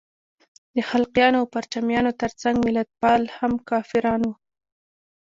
د خلقیانو او پرچمیانو تر څنګ ملتپال هم کافران وو.